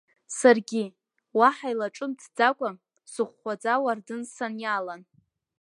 Саргьы, уаҳа илаҿымҭӡакәа, сыхәхәаӡа ауардын саниалан.